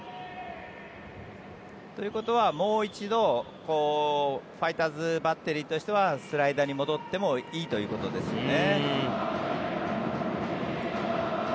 ということは、もう一度ファイターズバッテリーとしてはスライダーに戻ってもいいということですね。